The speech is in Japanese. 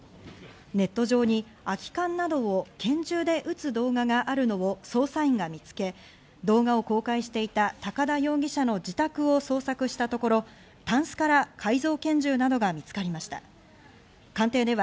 ネット上に空き缶などを拳銃で撃つ動画があるのを捜査員が見つけ、動画を公開していた高田容疑者の自宅を捜索したところ、タンスかお天気です。